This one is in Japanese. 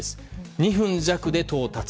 ２分弱で到達。